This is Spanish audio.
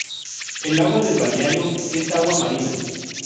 El agua del balneario es agua marina.